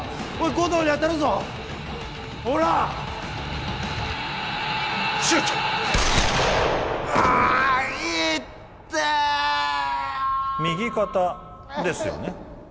護道に当たるぞほらシュートああいってえよ右肩ですよね